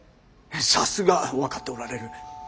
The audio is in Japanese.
さすが分かっておられる。